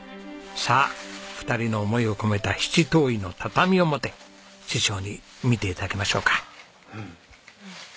さあ２人の思いを込めた七島藺の畳表師匠に見て頂きましょうか。